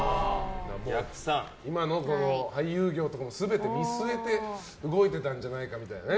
今の俳優業とかも全て見据えて動いてたんじゃないかみたいなね。